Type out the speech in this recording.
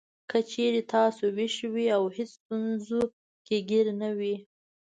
که چېرې تاسو وېښ وئ او هېڅ ستونزو کې ګېر نه وئ.